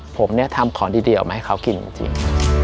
ผมเนี่ยทำของดีออกมาให้เขากินจริง